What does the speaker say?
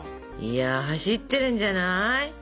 いや走ってるんじゃない？